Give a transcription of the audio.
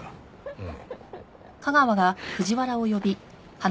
うん。